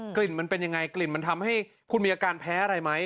กลิ่นมันเป็นยังไงกลิ่นมันทำให้คุณมีอาการแพ้อะไรไหม